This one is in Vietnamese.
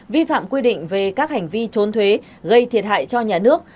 vi phạm quy định về các hành vi trốn thuế gây thiệt hại cho nhà nước